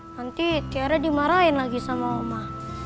nanti tiara dimarahin lagi sama oma